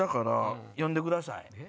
読んでください。